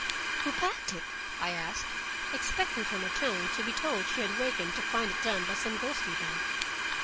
"Who packed it?" I asked, expecting from her tone to be told she had wakened to find it done by some ghostly hand.